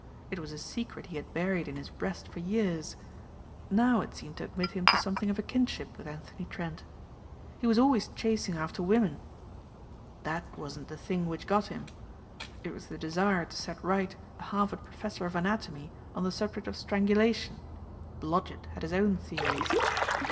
It was a secret he had buried in his breast for years. Now it seemed to admit him to something of a kinship with Anthony Trent. "He was always chasing after women." "That wasn't the thing which got him. It was the desire to set right a Harvard professor of anatomy on the subject of strangulation. Blodgett had his own theories.